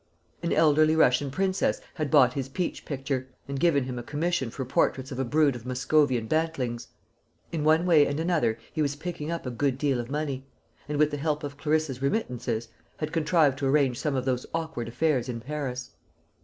An elderly Russian princess had bought his Peach picture, and given him a commission for portraits of a brood of Muscovian bantlings. In one way and another he was picking up a good deal of money; and, with the help of Clarissa's remittances, had contrived to arrange some of those awkward affairs in Paris.